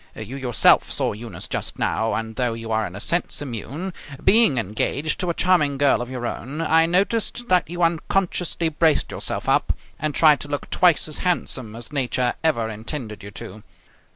You yourself saw Eunice just now: and, though you are in a sense immune, being engaged to a charming girl of your own, I noticed that you unconsciously braced yourself up and tried to look twice as handsome as nature ever intended you to.